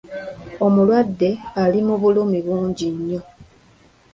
Omulwadde ali mu bulumi bungi nnyo.